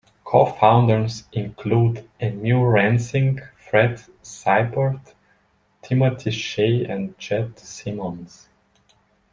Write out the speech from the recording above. Co-founders include Emil Rensing, Fred Seibert, Timothy Shey, and Jed Simmons.